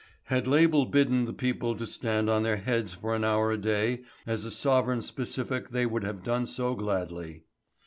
Had Label bidden the people to stand on their heads for an hour a day as a sovereign specific they would have done so gladly.